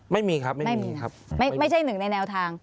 ไม่มีครับไม่มีครับ